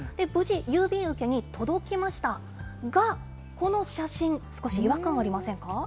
無事、郵便受けに届きましたが、この写真、少し違和感ありませんか？